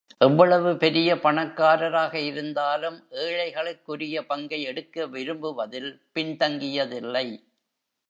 எவ்வளவு பெரிய பணக்காரராக இருந்தாலும் ஏழைகளுக்குரிய பங்கை எடுக்க விரும்புவதில் பின்தங்கியதில்லை.